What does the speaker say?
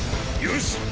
よし！！